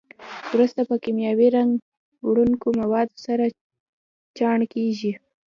وروسته په کیمیاوي رنګ وړونکو موادو سره چاڼ کېږي.